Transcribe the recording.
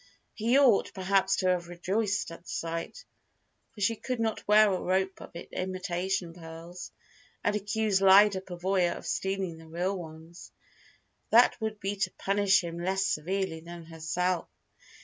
He ought, perhaps, to have rejoiced at the sight, for she could not wear a rope of imitation pearls, and accuse Lyda Pavoya of stealing the real ones. That would be to punish him less severely than herself.